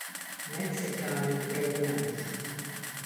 Meksikāņu brūnais.